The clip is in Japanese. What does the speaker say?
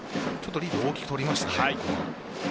リード大きく取りましたね。